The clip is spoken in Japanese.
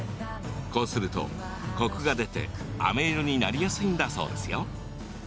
こうすると、コクが出てあめ色になりやすいんだそうですよ。